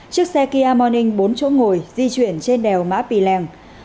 chiếc xe kia morning bốn chỗ ngồi di chuyển trên đèo mã pì lèng